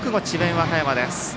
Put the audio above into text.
和歌山です。